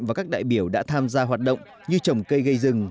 và các đại biểu đã tham gia hoạt động như trồng cây gây rừng